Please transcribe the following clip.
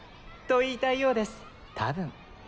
と言いたいようですたぶん。